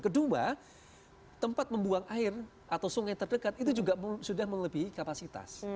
kedua tempat membuang air atau sungai terdekat itu juga sudah melebihi kapasitas